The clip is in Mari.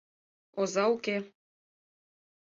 — Оза уке...